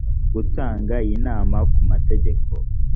gutanga inama ku mategeko